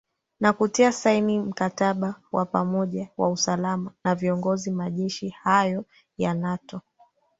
na kutia saini mkataba wa pamoja wa usalama na viongozi majeshi hayo ya nato